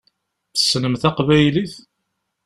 Tessnem taqbaylit?